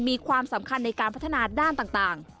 มีความสำคัญในการพัฒนาด้านต่าง